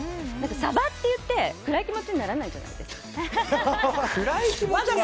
サバって言って、暗い気持ちにならないじゃないですか。